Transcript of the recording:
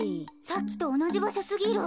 さっきとおなじばしょすぎる。